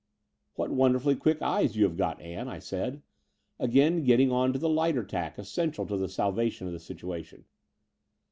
"What wonderfully quick eyes you have got, Ann," I said, again getting on to the lighter tack essential to the salvation of the situation.